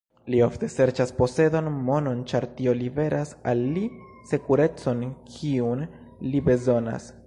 Li ofte serĉas posedon, monon ĉar tio liveras al li sekurecon kiun li bezonas.